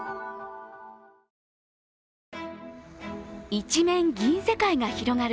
一面銀世界が広がる